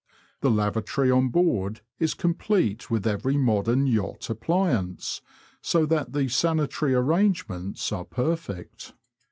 The lavatory on board is complete with every modern yacht appliance, so that the sanitary arrangements are perfect.